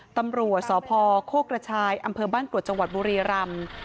ตำรวจสพโคกระชายอำเภอบ้านกรวดจังหวัดบุรีรำ